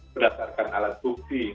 berdasarkan alat bukti